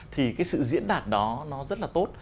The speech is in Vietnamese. thì cái sự diễn đạt đó nó rất là tốt